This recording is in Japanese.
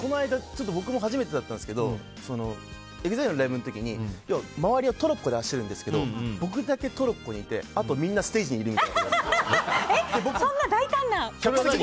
この間僕も初めてだったんですけどＥＸＩＬＥのライブの時に周りをトロッコで走るんですけど僕だけトロッコにいてあと、みんなそんな大胆な間違え？